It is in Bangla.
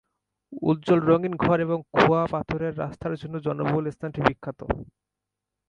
উজ্জ্বল রঙিন ঘর এবং খোয়া পাথরের রাস্তার জন্য জনবহুল স্থানটি বিখ্যাত।